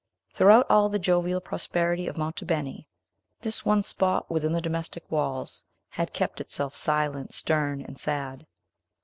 Throughout all the jovial prosperity of Monte Beni, this one spot within the domestic walls had kept itself silent, stern, and sad.